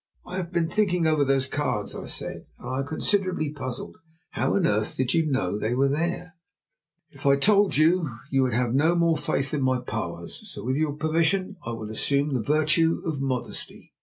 "I have been thinking over those cards," I said, "and I am considerably puzzled. How on earth did you know they were there?" "If I told you, you would have no more faith in my powers. So with your permission I will assume the virtue of modesty.